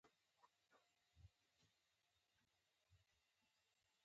منډه د زړه انډول ساتي